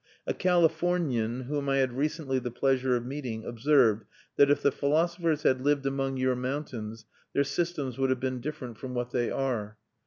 A Californian whom I had recently the pleasure of meeting observed that, if the philosophers had lived among your mountains their systems would have been different from what they are.